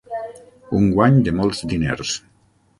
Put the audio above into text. Un guany de molts diners.